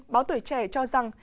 báo tuổi trẻ cho rằng